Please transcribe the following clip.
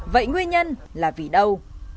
vậy nguyên nhân là vì đâu